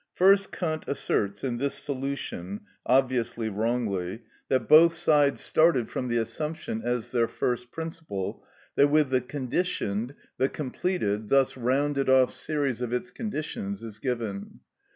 First Kant asserts, in this solution, obviously wrongly, that both sides started from the assumption, as their first principle, that with the conditioned the completed (thus rounded off) series of its conditions is given.